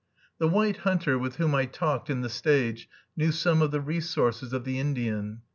The white hunter with whom I talked in the stage knew some of the resources of the Indian.